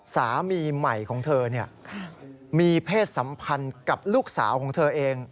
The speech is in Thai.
สามีใหม่ของเธอมีเพศสัมพันธ์กับลูกสาวของเธอเอง